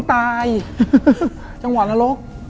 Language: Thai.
อยู่บนห้องจังหวะตลอด